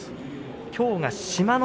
きょうは志摩ノ